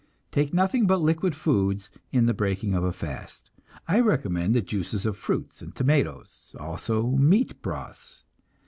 Take nothing but liquid foods in the breaking of a fast; I recommend the juices of fruits and tomatoes, also meat broths.